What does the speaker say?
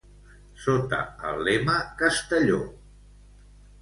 Sota el lema Castelló.